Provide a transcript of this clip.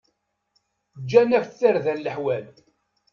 Gǧan-ak-d tarda leḥwal.